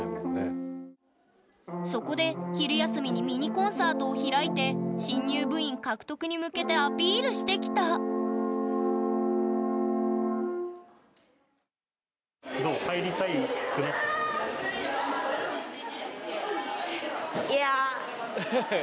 そこで昼休みにミニコンサートを開いて新入部員獲得に向けてアピールしてきたウフフッ！